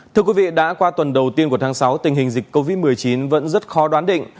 thưa quý vị đã qua tuần đầu tiên của tháng sáu tình hình dịch covid một mươi chín vẫn rất khó đoán định